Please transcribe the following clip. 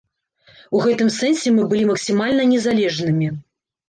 У гэтым сэнсе мы былі максімальна незалежнымі.